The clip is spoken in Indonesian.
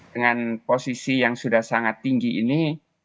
dengan posisi yang sudah sangat tinggi ini